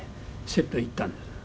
セットへ行ったんです。